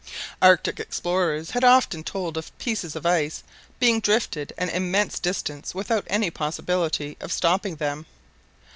Arctic explorers had often told of pieces of ice being drifted an immense distance without any possibility of stopping them.